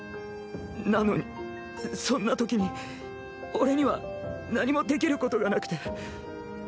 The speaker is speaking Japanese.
なのにそんなときに俺には何もできることがなくて。